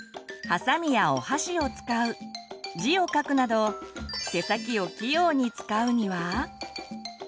はさみやお箸を使う字を書くなど手先を器用に使うには？